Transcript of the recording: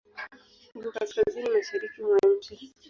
Iko kaskazini-mashariki mwa nchi.